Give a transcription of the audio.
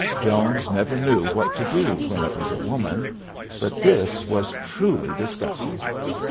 Jones never knew what to do when it was a woman, but this was truly disgusting.